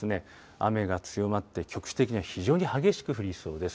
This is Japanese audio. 雨が強まって局地的に非常に激しく降りそうです。